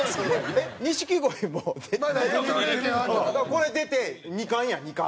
これ出て２冠やん２冠。